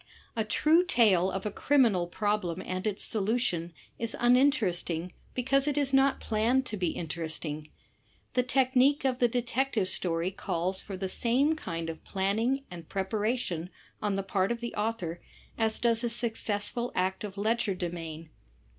A true tale of a criminal problem and its solution is imin teresting because it is not planned to be interesting. The technique of the detective story calls for the same kind of planning and preparation on the part of the author as does a successful act of legerdemain.